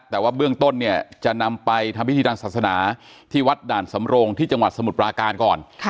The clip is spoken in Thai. แต่ว่าเบื้องต้นเนี่ยจะนำไปทำพิธีทางศาสนาที่วัดด่านสำโรงที่จังหวัดสมุทรปราการก่อน